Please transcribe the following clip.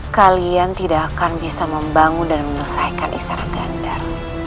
kalian tidak akan bisa membangun dan menyelesaikan istana gandar